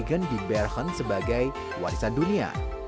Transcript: unesco mencanangkan bergen di bergen sebagai warisan dunia